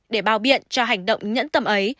để bào biện cho hành động nhẫn tầm ấy